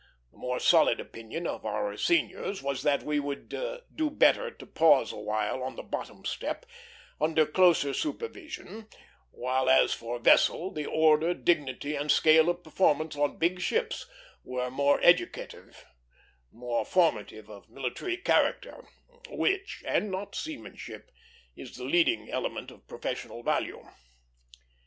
The more solid opinion of our seniors was that we would do better to pause awhile on the bottom step, under closer supervision; while as for vessel, the order, dignity, and scale of performance on big ships were more educative, more formative of military character, which, and not seamanship, is the leading element of professional value.